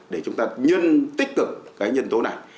để chúng ta nhân tích cực cái nhân tố này